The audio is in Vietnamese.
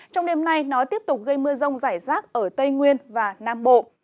trong đêm nay nó tiếp tục gây mưa rông rải rác ở tây nguyên và nam bộ